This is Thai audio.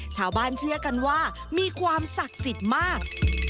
ชาวบ้านเชื่อกันว่ามีความศักดิ์สิทธิ์มาก